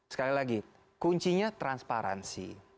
sekali lagi kuncinya transparansi